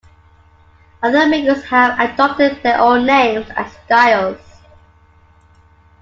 Other makers have adopted their own names and styles.